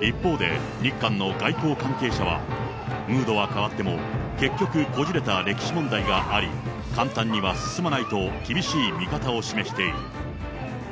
一方で、日韓の外交関係者は、ムードは変わっても、結局、こじれた歴史問題があり、簡単には進まないと、厳しい見方を示している。